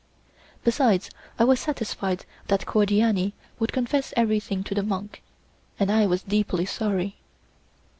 Besides, I was satisfied that Cordiani would confess everything to the monk, and I was deeply sorry.